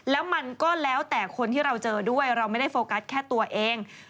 แล้วมันก็แล้วแต่คนที่เราเจอด้วยเราไม่ได้โฟกัสแค่ตัวเอง